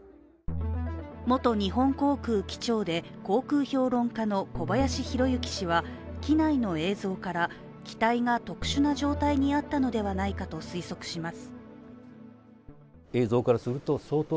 元日本航空機長で航空評論家の小林宏之氏は機内の映像から、機体が特殊な状態にあったのではないかと推測します。